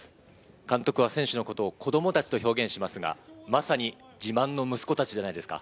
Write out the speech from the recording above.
監督は選手のことを子供たちと表現しますが、まさに自慢の息子たちじゃないですか？